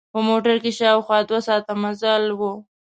په موټر کې شاوخوا دوه ساعته مزل و.